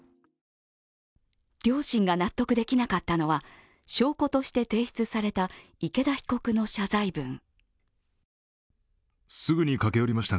両親が納得できなかったのは証拠として提出された池田被告の謝罪文。